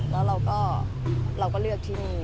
แล้วเราก็เลือกที่นี่